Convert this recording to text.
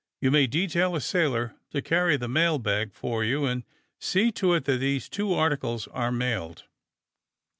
You may detail a sailor to carry the mail bag for you and see to it that these two articles are mailed.